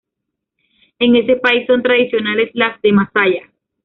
En ese país son tradicionales las de Masaya.